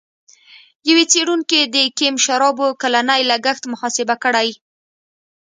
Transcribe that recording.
یوه څېړونکي د کیم د شرابو کلنی لګښت محاسبه کړی.